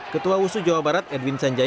ketua wushu jawa barat edwin j